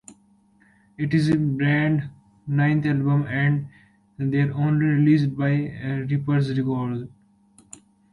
It is the band's ninth album, and their only released by Reprise Records.